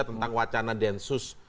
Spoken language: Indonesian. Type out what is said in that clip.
tentang wacana densus